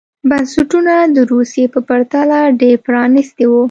بنسټونه د روسیې په پرتله ډېر پرانېستي وو.